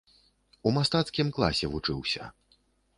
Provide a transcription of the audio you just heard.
У мастацкім класе вучыўся.